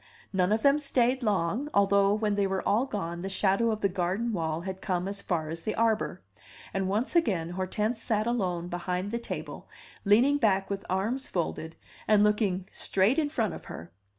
None of them stayed long, although when they were all gone the shadow of the garden wall had come as far as the arbor; and once again Hortense sat alone behind the table, leaning back with arms folded, and looking straight in front of her.